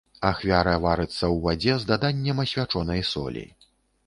Ахвяра варыцца ў вадзе, з даданнем асвячонай солі.